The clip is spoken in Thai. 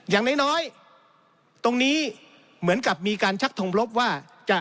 อย่างน้อยตรงนี้เหมือนกับมีการชักทงลบว่าจะ